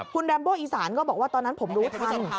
คุณแรมโบอีสานก็บอกว่าตอนนั้นผมรู้ทัน